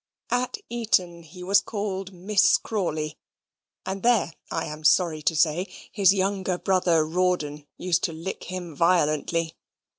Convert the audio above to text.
At Eton he was called Miss Crawley; and there, I am sorry to say, his younger brother Rawdon used to lick him violently.